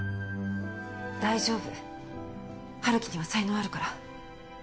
大丈夫春樹には才能あるから